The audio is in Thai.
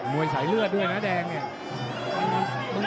วยสายเลือดด้วยนะแดงเนี่ย